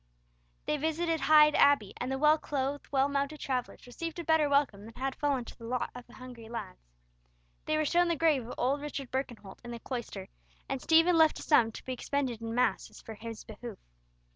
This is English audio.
They visited Hyde Abbey, and the well clothed, well mounted travellers received a better welcome than had fallen to the lot of the hungry lads. They were shown the grave of old Richard Birkenholt in the cloister, and Stephen left a sum to be expended in masses for his behoof.